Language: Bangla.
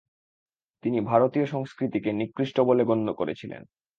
তিনি ভারতীয় সংস্কৃতিকে নিকৃষ্ট বলে গণ্য করেছিলেন।